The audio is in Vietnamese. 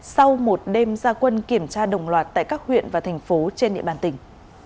sau một đêm gia quân kiểm tra đồng loạt tại các huyện và thành phố trên địa bàn tỉnh